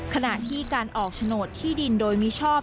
ขณะที่การออกโฉนดที่ดินโดยมิชอบ